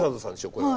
これは。